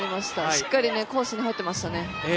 しっかりコースに入ってました。